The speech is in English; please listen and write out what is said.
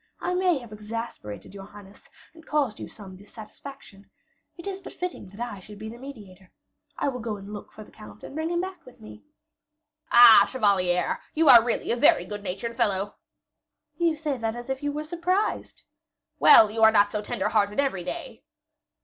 I may have exasperated your highness, and caused you some dissatisfaction. It is but fitting that I should be the mediator. I will go and look for the count, and bring him back with me." "Ah! chevalier, you are really a very good natured fellow." "You say that as if you were surprised." "Well, you are not so tender hearted every day."